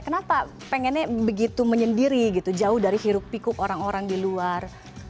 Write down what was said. kenapa pengennya begitu menyendiri gitu jauh dari hiruk pikuk orang orang di luar